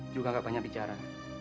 juga gak banyak bicara